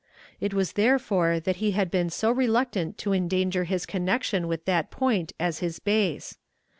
It was therefore that he had been so reluctant to endanger his connection with that point as his base.